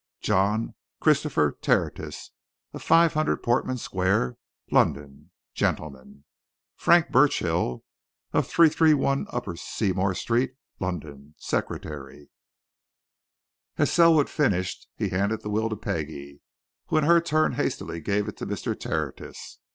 "'JOHN CHRISTOPHER TERTIUS, of 500, Portman Square, London: Gentleman. "'FRANK BURCHILL, of 331, Upper Seymour Street, London: Secretary.'" As Selwood finished, he handed the will to Peggie, who in her turn hastily gave it to Mr. Tertius.